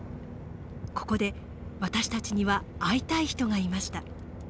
ここで私たちには会いたい人がいました。